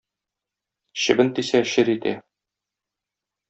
Чебен тисә чер итә.